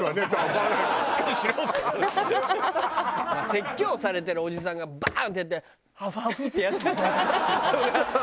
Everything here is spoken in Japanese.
説教されてるおじさんがバーンってやってハフハフってやってたらそれは。